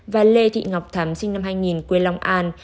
và lê thị ngọc thắm sinh năm hai nghìn quê long an